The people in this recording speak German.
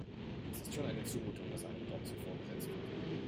Es ist schon eine Zumutung, was einem dort so vorgesetzt wird.